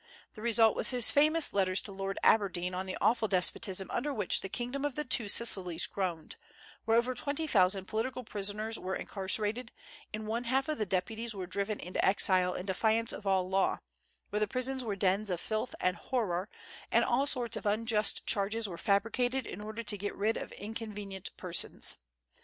The result was his famous letters to Lord Aberdeen on the awful despotism under which the kingdom of the Two Sicilies groaned, where over twenty thousand political prisoners were incarcerated, and one half of the Deputies were driven into exile in defiance of all law; where the prisons were dens of filth and horror, and all sorts of unjust charges were fabricated in order to get rid of inconvenient persons.